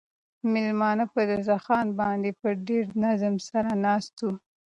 مېلمانه په دسترخوان باندې په ډېر نظم سره ناست وو.